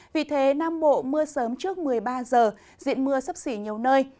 vì thế nam bộ mưa sớm trước một mươi ba giờ diện mưa sấp xỉ nhiều nơi